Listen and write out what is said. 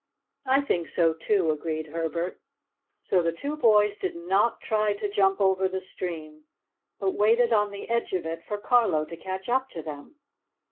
"I think so, too!" agreed Herbert. So the two boys did not try to jump over the stream, but waited on the edge of it for Carlo to catch up to them.